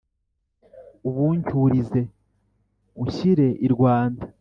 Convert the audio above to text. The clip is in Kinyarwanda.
ubuncyurize unshyire i rwanda,